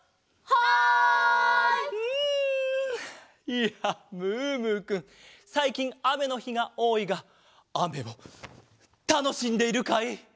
いやムームーくんさいきんあめのひがおおいがあめはたのしんでいるかい？